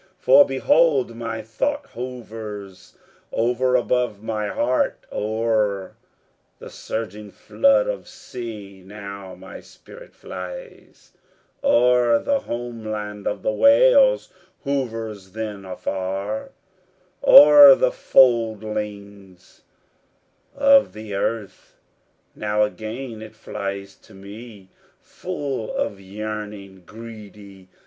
For behold, my thought hovers now above my heart; O'er the surging flood of sea now my spirit flies, O'er the homeland of the whale hovers then afar O'er the foldings of the earth! Now again it flies to me Full of yearning, greedy!